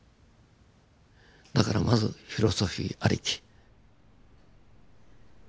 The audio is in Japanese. だからまずフィロソフィーありき。